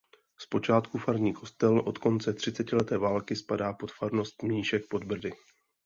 Zpočátku farní kostel od konce třicetileté války spadá pod farnost Mníšek pod Brdy.